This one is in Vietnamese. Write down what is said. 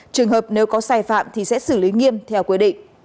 trường hợp nếu có sai phạm thì sẽ xử lý nghiêm theo quy định